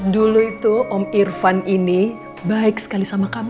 dulu itu om irfan ini baik sekali sama kami